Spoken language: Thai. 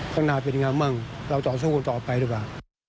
ข้างหน้าเป็นยังไงบ้างเราต่อสู้กันต่อไปดีกว่า